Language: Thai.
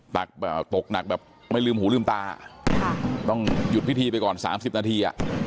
ตกหนักแบบไม่ลืมหูลืมตาต้องหยุดพิธีไปก่อน๓๐นาที